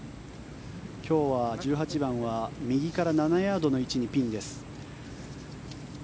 今日は１８番は右から７ヤードの一にピンです。